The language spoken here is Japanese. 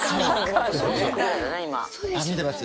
見てます？